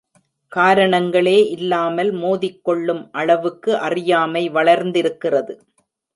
காரணங்களே இல்லாமல் மோதிக்கொள்ளும் அளவுக்கு அறியாமை வளர்ந்திருக்கிறது.